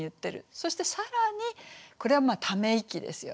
そして更にこれはため息ですよね。